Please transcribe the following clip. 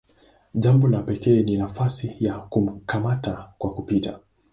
Jambo la pekee ni nafasi ya "kukamata kwa kupita".